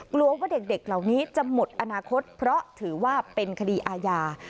กลัวว่าเด็กเหล่านี้จะหมดอนาคตเพราะถือว่าเป็นคดีอาญา